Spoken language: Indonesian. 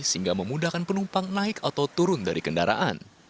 sehingga memudahkan penumpang naik atau turun dari kendaraan